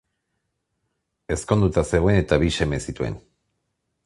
Ezkonduta zegoen eta bi seme zituen.